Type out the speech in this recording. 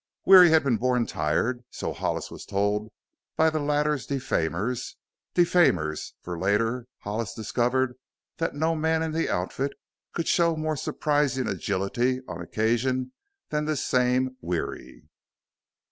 Weary had been born tired so Hollis was told by the latter's defamers; defamers, for later Hollis discovered that no man in the outfit could show more surprising agility on occasion than this same Weary.